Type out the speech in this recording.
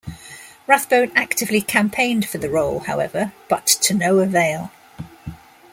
Rathbone actively campaigned for the role, however, but to no avail.